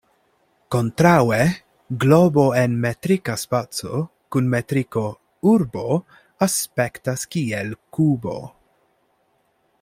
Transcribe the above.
Kontraŭe, globo en metrika spaco kun metriko "urbo" aspektas kiel kubo.